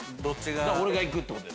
俺がいくってことだよね。